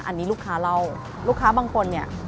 อันนี้ลูกค้าเล่าลูกค้าบางคนเนี่ย